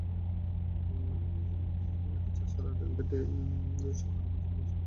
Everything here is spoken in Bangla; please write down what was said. এতে চাষাঢ়া রেলগেট-সংলগ্ন মসজিদের মুসল্লিদের ব্যবহূত পানি নিষ্কাশনের পথও বন্ধ হয়ে গেছে।